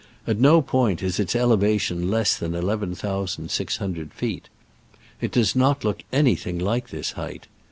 At no point is its elevation less than eleven thousand six hundred feet. It does not look anything like this height.